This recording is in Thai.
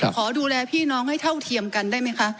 ขอดูแลพี่น้องให้เท่าเทียมกันได้ไหมคะ